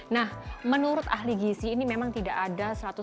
nah menurut ahli gisi ini memang tidak ada